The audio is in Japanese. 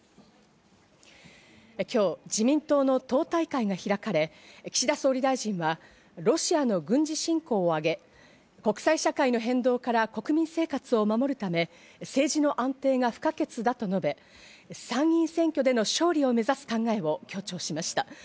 今日、自民党の党大会が開かれ、岸田総理大臣は、ロシアの軍事侵攻を挙げ、国際社会の変動から国民生活を守るため、政治の安定が不可欠だと述べ、参議院選挙での勝利を目指す考えを強調しました。